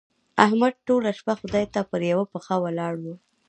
احمد ټوله شپه خدای ته پر يوه پښه ولاړ وو.